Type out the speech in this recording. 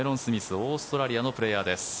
オーストラリアのプレーヤーです。